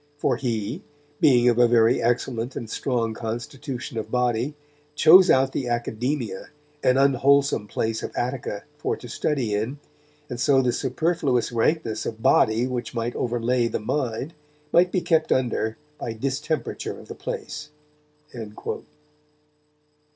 For he, being of a very excellent and strong constitution of body, chose out the Academia, an unwholesome place of Attica, for to study in, and so the superfluous rankness of body which might overlay the mind, might be kept under by the dis temperature of the place."